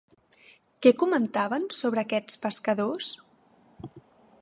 Què comentaven sobre aquests pescadors?